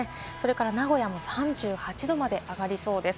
名古屋も３８度まで上がりそうです。